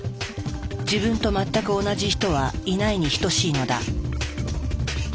自分と全く同じ人はいないに等しいのだ。